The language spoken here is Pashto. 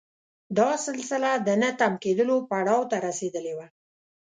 دا سلسله د نه تم کېدلو پړاو ته رسېدلې وه.